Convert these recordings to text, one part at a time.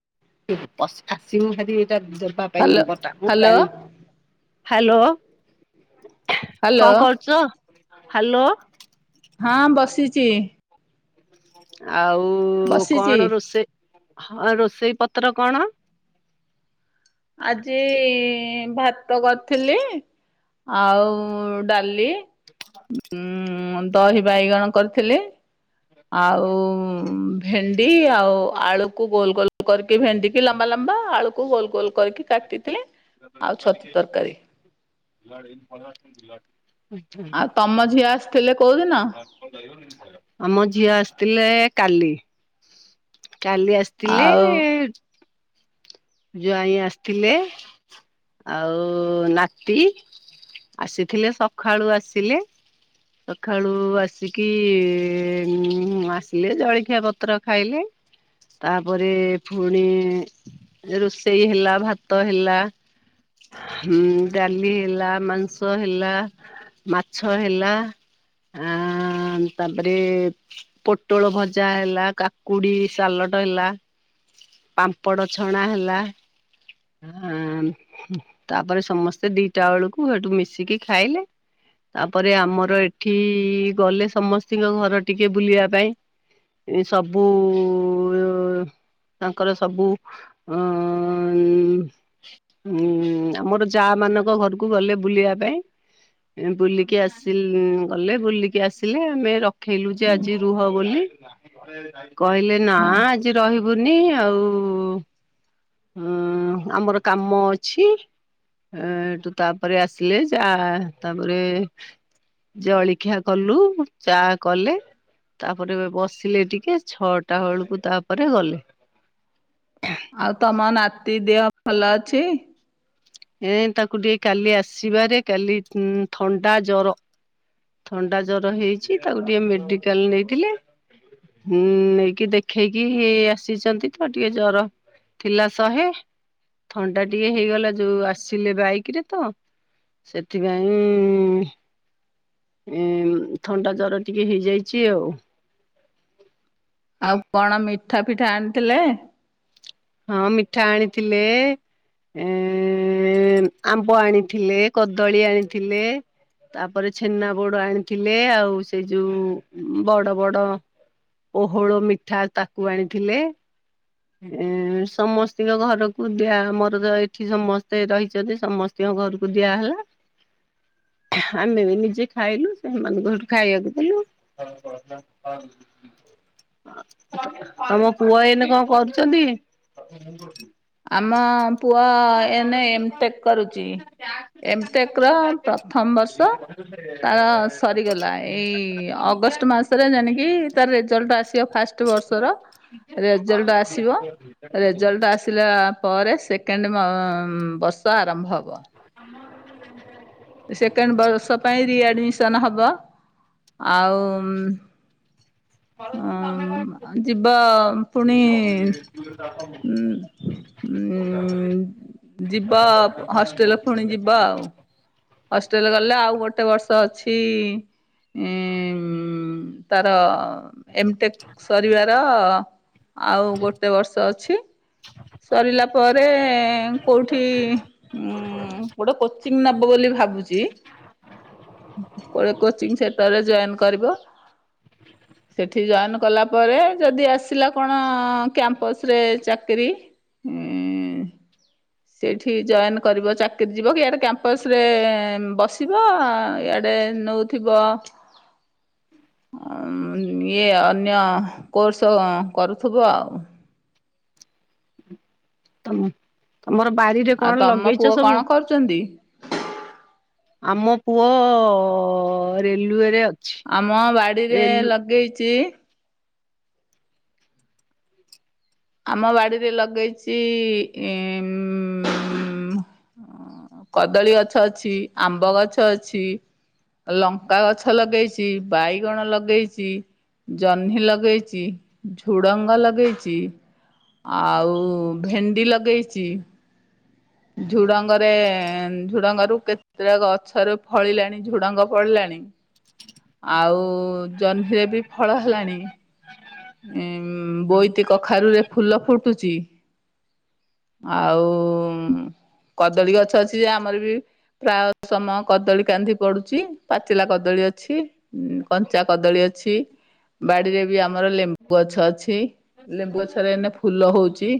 [inaudible] ପସ ଆସିବୁ ହାରି ଏଇଟା ଦେବା ପାଇଁ ହ୍ୟାଲୋ ନମ୍ବର୍ ଟା ମୁଁ ହ୍ୟାଲୋ ଜାଣି ହାଲୋ, ହ୍ୟାଲୋ କଣ କରୁଚ? ହାଲୋ। ହଁ ବସିଚି। ଆଉ ବସିଛି କଣ ରୋଷେଇ ହଁ ରୋଷେଇ ପତ୍ର କଣ? ଆଜି ଭାତ କରିଥିଲି ଆଉ ଡାଲି ଉଁ, ଦହି ବାଇଗଣ କରିଥିଲି, ଆଉ ଉଁ, ଭେଣ୍ଡି ଆଉ ଆଳୁକୁ ଗୋଲ ଗୋଲ କରିକି, ଭେଣ୍ଡିକି ଲମ୍ବା ଲମ୍ବା, ଆଳୁକୁ ଗୋଲ ଗୋଲ। କରିକି କାଟିଦେଇଥିଲେ ଆଉ ଛତୁ ତରକାରୀ। [unintelligible] ଆଉ ତୋମ ଝିଅ ଆସିଥିଲେ କୋଉଦିନ? ଆମ ଝିଅ ଆସିଥିଲେ କାଲି, କାଲି ଆସି ଥିଲେ। ଆଉ ଜ୍ୱାଇଁ ଆସିଥିଲେ। ଆଉ ନାତି ଆସିଥିଲେ, ସଖାଳୁ ଆସିଲେ। ସଖାଳୁ ଆସିକି ଉଁ, ଆସିଲେ ଜଳଖିଆ ପତ୍ର ଖାଇଲେ। ତାପରେ ଫୁଣି ରୋଷେଇ ହେଲା ଭାତ ହେଲା। ହୁଁ ଡାଲି ହେଲା ମାଂସ ହେଲା ମାଛ ହେଲା। ଆଁ, ତାପରେ ପୋଟଳ ଭଜା ହେଲା, କାକୁଡି ସାଲଟ ହେଲା। ପାମ୍ପଡ଼ ଛଣା ହେଲା। ଆଁ, ହୁଁ, ତାପରେ ସମସ୍ତେ ଦିଟା ବେଳକୁ ସେଠୁ ମିଶିକି ଖାଇଲେ। ତାପରେ ଆମର ଏଠି ଗଲେ ସମସ୍ତିଙ୍କ ଘର ଟିକେ ବୁଲିବା ପାଇଁ। ଏ ସବୁ ତାଙ୍କର ସବୁ ଅଁ, ଉଁ, ହୁଁ, ଆମର ଯା ମାନଙ୍କ ଘରକୁ ଗଲେ ବୁଲିବା ପାଇଁ। ଏଁ, ବୁଲିକି ଆସିଲୁ ଉଁ,। ଗଲେ ବୁଲିକି ଆସିଲେ, ଆମେ ରଖେଇଲୁ ଯେ ଆଜି ରୁହ ବୋଲି କହିଲେ ନା ହଁ ଆଜି ରହିବୁନି। ଆଉ ହୁଁ, ଆମର କାମ ଅଛି। ଏଁ, ତୁ ତାପରେ ଆସିଲେ ଯା ତାପରେ ଜଳଖିଆ କଲୁ, ଚା କଲେ। ତାପରେ ବସିଲେ ଟିକେ, ଛଅଟା ବେଳକୁ ତାପରେ ଗଲେ। ଆଉ ତୋମ ନାତି ଦିହ ଭଲ ଅଛି? ଏଁ, ତାକୁ ଟିକେ କାଲି ଆସିବାରେ କାଲି ଉଁ, ଥଣ୍ଡା, ଜର। ଥଣ୍ଡା ଜର ହେଇଛି, ତାକୁ ଟିକେ ମେଡ଼ିକାଲ୍ ନେଇଥିଲେ। ହୁଁ, ନେଇକି ଦେଖେଇକି ଆସିଚନ୍ତି ତ ଟିକେ ଜର ଥିଲା ଶହେ, ଥଣ୍ଡା ଟିକେ ହେଇଗଲା ଯୋଉ ଆସିଲେ ବାଇକ୍ ରେ ତ। ସେଥିପାଇଁ ଏଁ, ଥଣ୍ଡା ଜର ଟିକେ ହେଇଯାଇଛି ଆଉ। ଆଉ କଣ ମିଠା, ପିଠା ଆଣିଥିଲେ? ହଁ ମିଠା ଆଣିଥିଲେ। ଏଁ, ଏଁ, ଆମ୍ବ ଆଣିଥିଲେ, କଦଳୀ ଆଣିଥିଲେ। ତାପରେ, ଛେନାପୋଡ ଆଣିଥିଲେ, ଆଉ ସେ ଯୋଉ ଉଁ, ବଡ ବଡ ପୋହୋଳ ମିଠା ତାକୁ ଆଣିଥିଲେ। ଏଁ ସମସ୍ତଙ୍କ ଘରକୁ ଦିଆ ଆମର ତ ଏଠି ସମସ୍ତେ ରହିଛନ୍ତି ସମସ୍ତେ ସମନ୍ତିଙ୍କଘରକୁ ଦିଆହେଲା। ଆମେ ବି ନିଜେ ଖାଇଲୁ ସେମାନଙ୍କୁ ହେଠୁ ଖାଇବାକୁ ଦେଲୁ। [inaudible] ତମ ପୁଅ ଏଇନେ କଅ କରୁଚନ୍ତି? ଆମ ପୁ ପୁଅ, ଏନେ ଏମ୍ଟେକ୍ କରୁଛି, ଏମ୍ଟେକର ପ୍ରଥମ ବର୍ଷ ତାର ସରିଗଲା, ଏଇ ଅଗଷ୍ଟ ମାସରେ ଜାଣିକି, ତାର ରେଜଲ୍ଟ ଆସିବ ଫାଷ୍ଟ ଗୋଟେ ବର୍ଷର ରେଜଲଟ ଆସିବ, ରେଜଲଟ ଆସି ତାପରେ ସେକେଣ୍ଡ ବର୍ଷ ଆରମ୍ଭ ହେବ। ଆମ କ ଗ [inaudible] ସେକେଣ୍ଡ ବର୍ଷ ପାଇଁ ରିଆଡମିସନ ହବ। ଆଉ ଉଁ ଯିବ ଖ ପୁଣି [inaudible] ଉଁ ଉଁ ଯିବ, ହଷ୍ଟେଲ ପୁଣି ଯିବ ଆଉ। ହଷ୍ଟେଲ ଗଲେ, ଆଉ ଗୋଟେ ବର୍ଷ ଅଛି। ହୁଁ, ତାର ଏମଟେକ୍ ସରିବାର ଆଉ ଗୋଟେ ବର୍ଷ ଅଛି। ସରିଲା ପରେ କୋଉଠି, ଉ ହୁଁ, ଗୋଟେ କୋଚିଂ ନବ ବୋଲି ଭାବୁଛି। କୁଆଡେ କୋଚିଂ ସେଣ୍ଟରରେ ଜଏନ୍ କରିବ। [inaudible] ସେଠି ଜଏନ୍ କଲା ପରେ ଯଦି ଆସିଲା କଣ, କ୍ୟାମ୍ପସରେ ଚାକିରି ହୁଁ ସେଇଠି ଜଏନ୍ କରିବ, ଚାକିରିଯିବ କି ଇଆଡ଼େ କ୍ୟାମ୍ପସରେ ବସିବ, ଇଆଡ଼େ ନଉ ଥିବ [inaudible] [inaudible] ଇଏ, ଅନ୍ୟ କୋର୍ସ କରୁଥୁବ। ଆଉ। ତମେ, ତମର ବାରିରେ ଆଉ କଣ ତମ ପୁଅ ଲଗେଇଛ ସବୁ? କଣ କରୁଛନ୍ତି? ଆମ ପୁଅ ରେଲୱେରେ ଅ ଆମ ବାଡିରେ ଲଗେଇଚି ଆମ ବାଡ଼ିରେ ଲାଗେଇଛି। କଦଳୀ ଗଛ ଅଛି ଆମ୍ବ ଗଛ ଅଛି। ଲଙ୍କା ଗଛ ଲଗେଇଛି, ବାଇଗଣ ଲଗେଇଛି। ଜହ୍ନି ଲଗେଇଛି, ଝୁଡ଼ଙ୍ଗ ଲଗେଇଛି। ଆଉ ଭେଣ୍ଡି ଲଗେଇଛି। ଝୁଡଙ୍ଗରେ ଝୁଡଙ୍ଗରୁ କେତେଟା ଗଛରେ ଫଳିଲାଣି ଝୁଡଙ୍ଗ ଫଳିଲାଣି। ଆଉ ଜହ୍ନିରେ ବି ଫଳ ହେଲାଣି। [inaudible] ଉ ବୋଇତି କଖାରୁରେ ଫୁଲ ଫୁଟୁଛି। ଆଉ। କଦଳୀ ଗଛ ଅଛି ଯେ ଆମର ବି ପ୍ରାୟ ସମୟ କଦଳୀ କାନ୍ଧି ପଡୁଛି। ପାଚିଲା କଦଳୀ ଅଛି, କଞ୍ଚା କଦଳୀ ଅଛି। ବାଡିରେ ବି ଆ ଆମର ଲେମ୍ବୁ ଗଛ ଅଛି ଲେମ୍ବୁ ଗଛରେ ଏଇନେ ଫୁଲ ହଉଛି।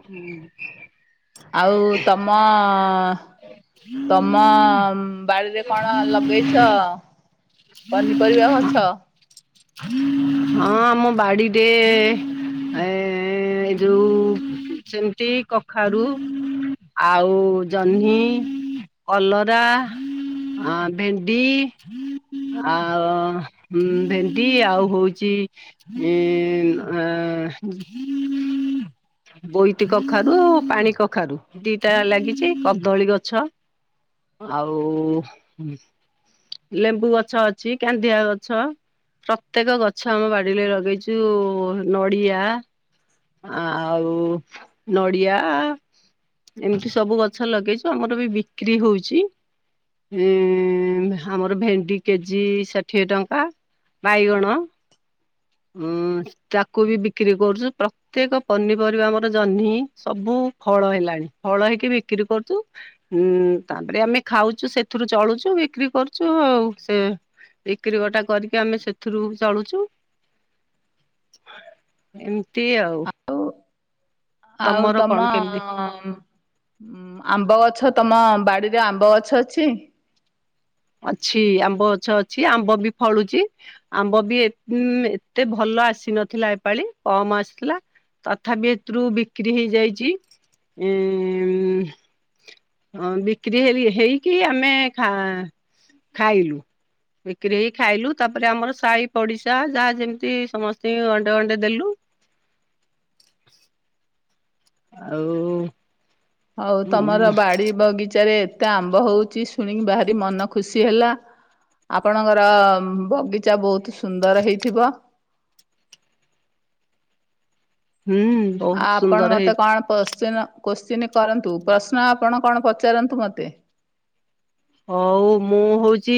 [inaudible] ଆଉ ତମ ତମ ବାଡିରେ କଣ ଲଗେଇଛ? ପନିପରିବା ଗଛ। [inaudible] ହଁ ଆମ ବାଡିରେ ଏ ଏ ଯୋଉ ସେମିତି କଖାରୁ ଆଉ ଜହ୍ନି, କଲରା ଆ ଭେଣ୍ଡି ଆଉ ଭେଣ୍ଡି ଆଉ ହଉ ଚି ଏ ଆ ବୋଇତି କଖାରୁ, ପାଣି କଖାରୁ ଦିଟା ଲାଗିଛି କଦଳୀ ଗଛ ଆଉ ଲେମ୍ବୁ ଗଛ ଅଛି, କନ୍ଧିଆ ଗଛ। ପ୍ରତ୍ୟେକ ଗଛ ଆମ ବାଡିରେ ଲଗେଇଛୁ ନଡିଆ ଆଉ ନଡିଆ ଏମିତି ସବୁ ଗଛ ଲଗେଇଛୁ ଆମର ବି ବିକ୍ରି ହଉଛି। ଅଁ ଆମର ଭେଣ୍ଡି କେଜି ଷାଠିଏ ଟଙ୍କା। ବାଇଗଣ ତାକୁ ବି ବିକ୍ରି କରୁଛୁ ପ୍ର ପ୍ରତ୍ୟେକ ପନିପରିବା ଆମର ଜହ୍ନି ସବୁ ଫଳ ହେଲାଣି ଫଳ ହେଇକି ବିକ୍ରି କରୁଛୁ। ଉଁ ତାପରେ ଆମେ ଖାଉଛୁ ସେଥିରୁ ଚଳୁଛୁ ବିକ୍ରି କରୁଛୁ ଆଉ ସେ ବିକ୍ରି ବଟା କରିକି ଆମେ ସେଥିରୁ ଚଳୁଛୁ। ଏମିତି ଆଉ। ଆଉ ତମର ତମ କଣ କେମିତି? ଆମ୍ବ ଗଛ ତମ ବାଡିରେ ଆମ୍ବ ଗଛ ଅଛି? ଅଛି ଆମ୍ବ ଗଛ ଅଛି ଆମ୍ବ ବି ଫଳୁଛି। ଆମ୍ବ ବି ଏତେ ଭଲ ଆସିନଥିଲା ଏପାଳି କମ ଆସିଥିଲା। ତଥାପି ହେଥିରୁ ବିକ୍ରି ହେଇଯାଇଛି ଉଁ ହଁ ବିକ୍ରି ହେ ହେଇକି ଆମେ ଖା ଖାଇଲୁ। ବିକ୍ରି ହେଇକି ଖାଇଲୁ ତାପରେ ଆମର ସାହି ପଡିଶା ଯାହା ଯେମିତି ସମସ୍ତଙ୍କୁ ଗଣ୍ଡେ ଗଣ୍ଡେ ଦେଲୁ। ଆଉ ଆଉ ତମର ହୁଁ ବାଡି ବଗିଚାରେ ଏତେ ଆମ୍ବ ହଉଛି ଶୁଣିକି ଭାରି ମନ ଖୁସି ହେଲା। ଆପଣଙ୍କର ବଗିଚା ବହୁତ ସୁନ୍ଦର ହେଇଥିବ। ହୁଁ। ଆ ଆପଣ ମତେ କଣ ପଶ୍ଚିନ କୋଶ୍ଚିନ୍ କରନ୍ତୁ ପ୍ରଶ୍ନ ଆପଣ କଣ ପଚାରନ୍ତୁ ମୋତେ? ହଉ ମୁଁ ହଉଛି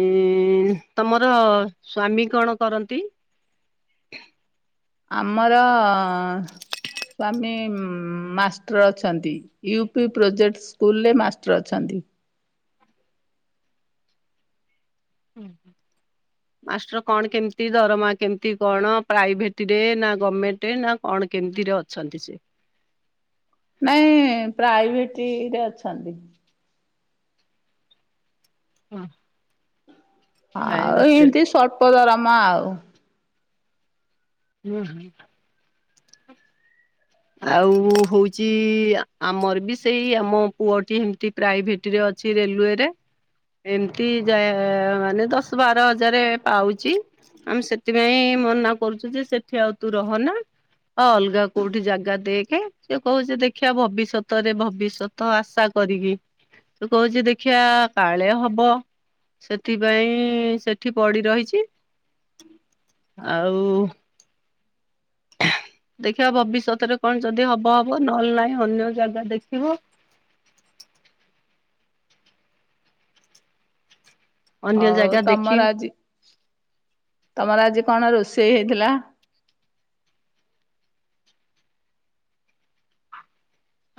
ଉଁ ତମର ସ୍ଵାମୀ କଣ କରନ୍ତି? ଆମର ସ୍ଵାମୀ ମାଷ୍ଟର ଅଛନ୍ତି ୟୁ ପି ପ୍ରୋଜେକ୍ଟ ସ୍କୁଲରେ ମାଷ୍ଟର ଅଛନ୍ତି। ହୁଁ। ମାଷ୍ଟର କଣ କେମିତି ଦରମା କେମିତି କଣ ପ୍ରାଇଭେଟ ରେ ନା ଗମେଣ୍ଟରେ ନା କଣ କେମିତିରେ ଅଛନ୍ତି ସେ? ନାଇଁ ପ୍ରାଇଭେଟ ରେ ଅଛନ୍ତି। ହଁ। ଆଉ ଏମିତି ସର୍ପଦରାମ ଆଉ। ଉଁ ହୁଁ। ଆଉ ହଉଛି ଆମର ବି ସେଇ ଆମ ପୁଅଟି ଏମିତି ପ୍ରାଇଭେଟ ରେ ଅଛି ରେଲୱେରେ। ଏମିତି ଯ ମାନେ ଦଶ ବାର ହଜାର ପାଉଛି। ଆମେ ସେଥିପାଇଁ ମନା କରୁଛୁ ଯେ ସେଠି ଆଉ ତୁ ରହନା ଆଉ ଅଲଗା କୋଉଠି ଜାଗା ଜଗା ଦେଖେ ସେ କହୁଛି ଦେଖିବା ଭବିଷ୍ୟତରେ ଭବିଷ୍ୟତ ଆଶା କରିକି। ତୁ କହୁଛୁ ଦେଖିବା କାଳେ ହବ। ସେଥିପାଇଁ ସେଠି ପଡି ରହିଛି ଆଉ- ଦେଖିବା ଭବିଷ୍ୟତରେ କଣ ଯଦି ହବ ହବ ନହେଲେ ନାହିଁ ଅନ୍ୟ ଜାଗା ଦେଖିବ। ଅନ୍ୟ ହଉ ଜାଗା ଦେଖି ତମର ଆଜି, ତମର ଆଜି କଣ ରୋଷେଇ ହେଇଥିଲା?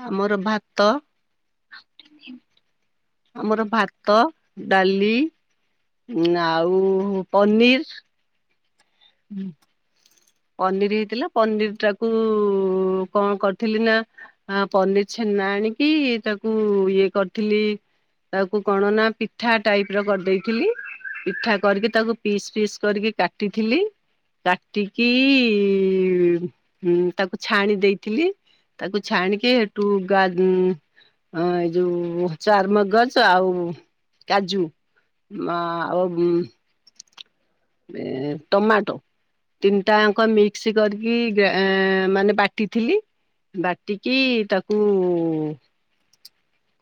ଆମର ଭାତ ଆମର ଭାତ, ଡାଲି, ଆଉ ପନିର୍ ହୁଁ। ପନିର୍ ହେଇଥିଲା। ପନିର୍ ଟାକୁ କଣ କରିଥିଲି ନା ହଁ ପନିର୍ ଛେନା ଆଣିକି ତାକୁ ଇଏ କରିଥିଲି ତାକୁ କଣ ନା ପିଠା ଟାଇପ୍ ର କରିଦେଇଥିଲି। ପିଠା କରିକି ତାକୁ ପିସ୍ ପିସ୍ କରିକି କାଟିଥିଲି। କାଟିି କି ହୁଁ, ହୁଁ। ତାକୁ ଛାଣି ଦେଇଥିଲି। ତାକୁ ଛାଣିକି ହେଠୁ ଗା ହଁ ଏଇ ଯୋଉ ଚାରୁମଗଜ ଆଉ କାଜୁ ମା ଆଉ ଏ ଟମାଟୋ। ତିନିଟାଙ୍କ ମିକ୍ସ କରିକି ଗାଁ ମାନେ ବାଟିଥିଲି। ବାଟିକି ତାକୁ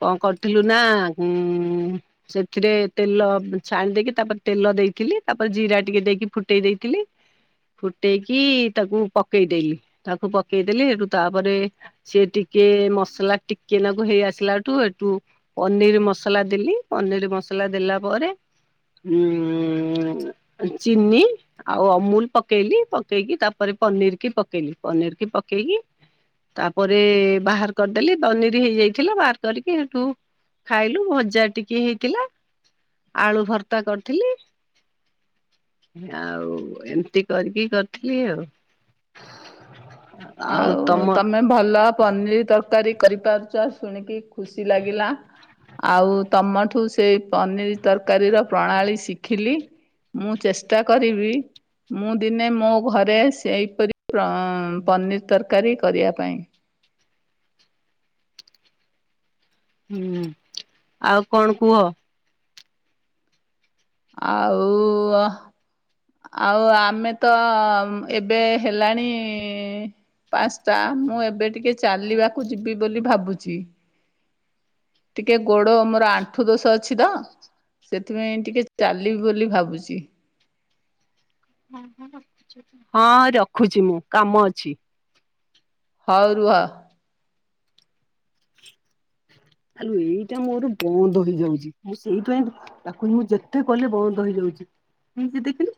କଣ କରିଥିଲୁ ନାଁ, ଉଁ ସେଥିରେ ତେଲ ଛାଣି ଦେଇକି, ତାପରେ ତେଲ ଦେଇଥିଲି। ତାପ ଜିରା ଟିକେ ଦେଇକି ଫୁଟେଇ ଦେଇଥିଲି। ଫୁଟେଇକି ତାକୁ ପକେଇଦଲି। ତାକୁ ପକେଇଦେଲି ହେଠୁ ତାପରେ ସେ ଟିକେ ମସଲା ଟିକେ ନାକୁ ହେଇ ଆସିଲାଠୁ, ହେଠୁ ପନିରି ମସଲା ଦେଲି, ପନିରି ମସଲା ଦେଲା ପରେ, ଉଁ ଚିନି ଆଉ ଅମୁଲ୍ ପକେଇଲି। ପକେଇକି ତାପରେ ପନିର୍ କି ପକେଇଲି। ପନିର୍ କି ପକେଇକି ତାପରେ ବାହାର କରିଦେଲି। ପନିରି ହେଇଯାଇଥିଲା ବାହାର କରିକି ହେଠୁ ଖାଇଲୁ ଭଜା ଟିକେ ହେଇଥିଲା, ଆଳୁ ଭର୍ତା କରିଥିଲି ଆଉ ଏମିତି କରିକି କରିଥିଲି ଆଉ। ଆଉ ତମେ ଭଲ ପନିରି ତରକାରୀ କରିପାରୁଛ ଶୁଣିକି ଖୁସି ଲାଗିଲା। ଆଉ ତମଠୁ ସେଇ ପନିର୍ ତରକାରୀର ପ୍ରଣାଳୀ ଶିଖିଲି। ମୁଁ ଚେଷ୍ଟା କରିବି, ମୁଁ ଦିନେ ମୋ ଘରେ ସେହିପରି ପନିର୍ ତରକାରୀ କରିବା ପାଇଁ। ହୁଁ। ଆଉ କଣ କୁହ? ଆଉ ଅ ଆଉ ଆମେ ତ ଏବେ ହେଲାଣି ପାସ୍ତା। ମୁଁ ଏବେ ଟିକେ ଚାଲିବାକୁ ଯିବି ବୋଲି ଭାବୁଛି। ଟିକେ ଗୋଡ ମୋର ଆଣ୍ଠୁ ଦୋଷ ଅଛି ତ ସେଥିପାଇଁ ଟିକେ ଚାଲିବି ବୋଲି ଭାବୁଛି। ହଁ ରଖୁଛି ମୁଁ କାମ ଅଛି। ହଉ ରୁହ। ଆଲୋ ଏଇଟା ମୋର ବନ୍ଦ ହେଇଯାଉଛି। ମୁଁ ସେଇଥପାଇଁ ତାକୁ ମୁଁ ଯେତେ କହିଲେ ବନ୍ଦ ହେଇଯାଉଛି। ନିଜେ ଦେଖିଲି।